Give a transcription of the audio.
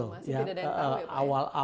tidak ada yang tahu ya pak ya